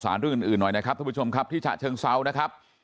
เรื่องอื่นหน่อยนะครับท่านผู้ชมครับที่ฉะเชิงเซานะครับ